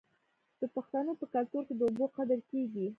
د پښتنو په کلتور کې د اوبو قدر کیږي.